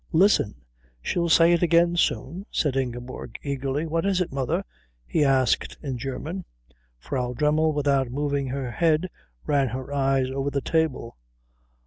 "Listen she'll say it again soon," said Ingeborg eagerly. "What is it, mother?" he asked in German. Frau Dremmel, without moving her head, ran her eyes over the table.